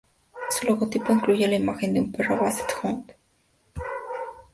Su logotipo incluye la imagen de un perro Basset Hound.